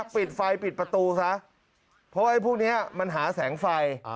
ปิดไฟปิดประตูซะเพราะว่าไอ้พวกนี้มันหาแสงไฟ